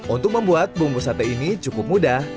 untuk membuat bumbu sate ini cukup mudah